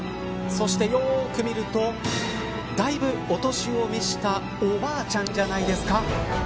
そして、よく見るとだいぶお年を召したおばあちゃんじゃないですか。